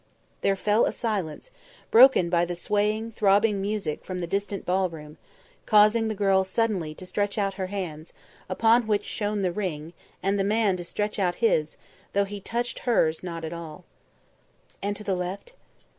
There fell a silence, broken by the swaying, throbbing music from the distant ball room, causing the girl suddenly to stretch out her hands, upon which shone the ring, and the man to stretch out his, though he touched not hers at all. "And to the left?"